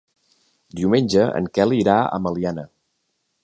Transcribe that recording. Diumenge en Quel irà a Meliana.